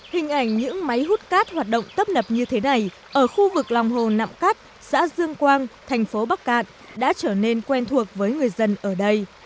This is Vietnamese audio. hình ảnh những máy hút cát hoạt động tấp nập như thế này ở khu vực lòng hồ nậm cắt xã dương quang thành phố bắc cạn đã trở nên quen thuộc với người dân ở đây